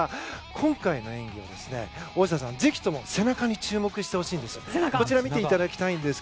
今回の演技は大下さん、ぜひとも背中に注目していただきたいんです。